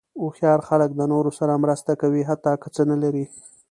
هوښیار خلک د نورو سره مرسته کوي، حتی که څه نه لري.